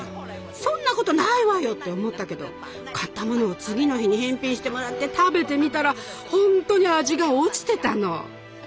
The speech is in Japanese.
「そんなことないわよ」って思ったけど買ったものを次の日に返品してもらって食べてみたらほんとに味が落ちてたの。